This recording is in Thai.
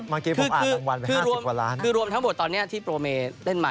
เมื่อกี้ผมอ่านรางวัลไป๕๐กว่าล้านคือรวมทั้งหมดตอนนี้ที่โปรเมเล่นมา